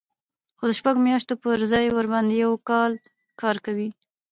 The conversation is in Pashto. خو د شپږو میاشتو پر ځای ورباندې یو کال کار کوي